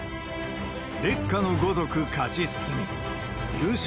烈火のごとく勝ち進み、優勝！